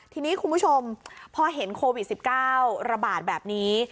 ทีนี้คุณผู้ชมพอเห็นโควิด๑๙ระบาดแบบนี้